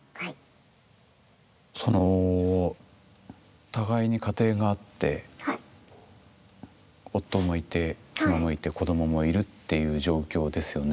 お互いに家庭があって夫もいて妻もいて子どももいるっていう状況ですよね。